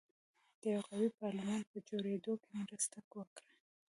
د یوه قوي پارلمان په جوړېدو کې مرسته وکړه.